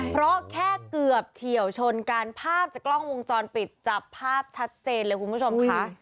เพราะแค่เกือบเฉียวชนกันภาพจากกล้องวงจรปิดจับภาพชัดเจนเลยคุณผู้ชมค่ะ